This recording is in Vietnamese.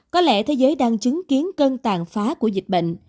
có lẽ thế giới đang chứng kiến cơn tàn phá của dịch bệnh